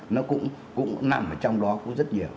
nó cũng nằm trong đó cũng rất nhiều